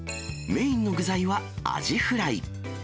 メインの具材はアジフライ。